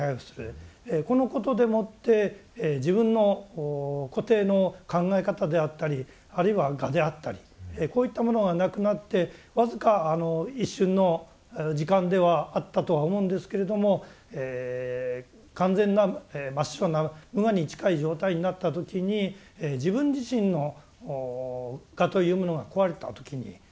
このことでもって自分の固定の考え方であったりあるいは我であったりこういったものがなくなって僅か一瞬の時間ではあったとは思うんですけれども完全な真っ白な無我に近い状態になった時に自分自身の我というものが壊れた時に非常に安楽に感じたんですね。